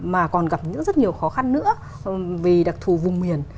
mà còn gặp rất nhiều khó khăn nữa vì đặc thù vùng miền